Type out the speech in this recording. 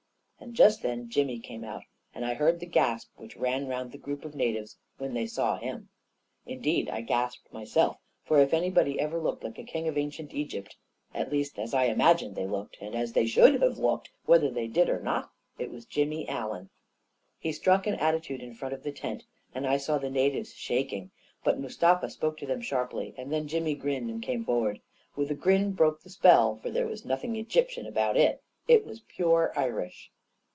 " And just then Jimmy came out, and I heard the gasp which ran around the group of natives when they saw him. Indeed, I gasped myself, for if any body ever looked like a king of ancient Egypt — at least, as I imagine they looked, and as they should have looked, whether they did or not !— it was Jimmy Allen. He struck an attitude in front of the tent, and I saw the natives shaking; but Mustafa spoke to them sharply, and then Jimmy grinned and came forward. The grin broke the spell, for there was nothing Egyptian about it. It was pure Irish.